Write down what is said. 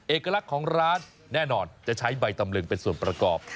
เอกลักษณ์ของร้านแน่นอนจะใช้ใบตำลึงเป็นส่วนประกอบ